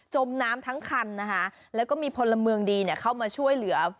มน้ำทั้งคันนะคะแล้วก็มีพลเมืองดีเนี่ยเข้ามาช่วยเหลือ